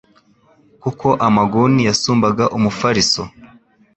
Kuko amaguni yasumbaga umufariso,